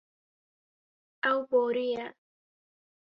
Ew boriye.